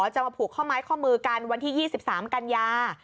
จะมาผูกข้อไม้ข้อมือกันวันที่๒๓กันยา